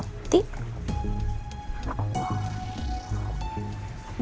ini pasti buat shena